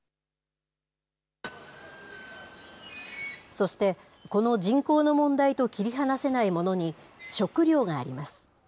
そして、この人口の問題と切り離せないものに、食料があります。